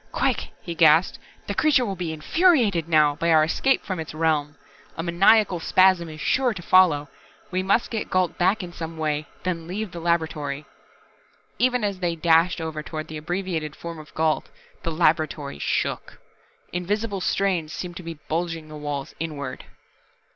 "Quick," he gasped. "The Creature will be infuriated now, by our escape from Its realm. A maniacal spasm is sure to follow. We must get Gault back in some way, then leave the laboratory." Even as they dashed over toward the abbreviated form of Gault, the laboratory shook. Invisible strains seemed to be bulging the walls inward.